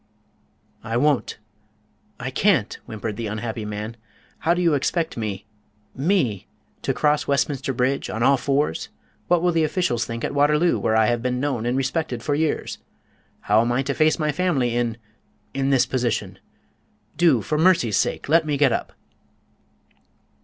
"I won't! I can't!" whimpered the unhappy man. "How do you expect me me! to cross Westminster Bridge on all fours? What will the officials think at Waterloo, where I have been known and respected for years? How am I to face my family in in this position? Do, for mercy's sake, let me get up!"